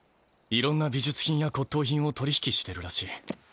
いろんな美術品や骨とう品を取り引きしてるらしい。